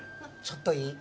ちょっといい？